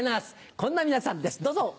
こんな皆さんですどうぞ。